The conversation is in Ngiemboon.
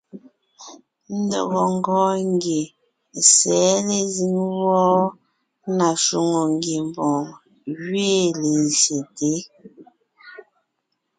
Ndɔgɔ ńgɔɔn ngie sɛ̌ lezíŋ wɔ́ɔ na shwòŋo ngiembɔɔn gẅiin lezsyete.